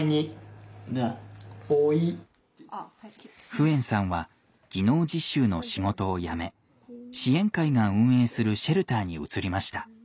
フエンさんは技能実習の仕事を辞め支援会が運営するシェルターに移りました。